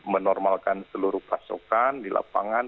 menormalkan seluruh pasokan di lapangan